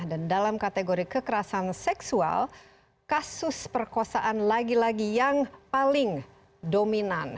dan dalam kategori kekerasan seksual kasus perkosaan lagi lagi yang paling dominan